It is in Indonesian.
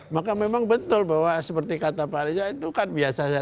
maka memang betul bahwa seperti kata pak rizal itu kan biasanya